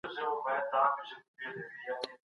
بهرنۍ پالیسي د نړیوالو قوانینو درناوی نه ردوي.